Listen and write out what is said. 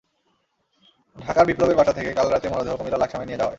ঢাকার বিপ্লবের বাসা থেকে কাল রাতেই মরদেহ কুমিল্লার লাকসামে নিয়ে যাওয়া হয়।